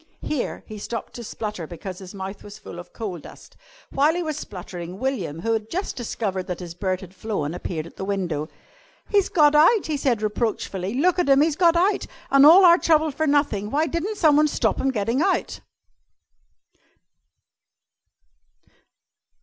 Here he stopped to splutter because his mouth was full of coal dust. While he was spluttering, William, who had just discovered that his bird had flown, appeared at the window. "He's got out," he said reproachfully. "Look at him. He's got out. An' all our trouble for nothing. Why di'n't someone stop him gettin' out?"